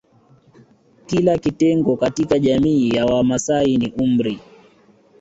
Kila kitengo katika jamiii ya Wamasai ni umri